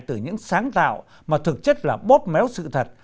từ những sáng tạo mà thực chất là bóp méo sự thật